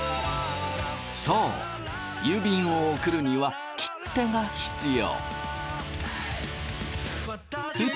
そう郵便を送るには切手が必要。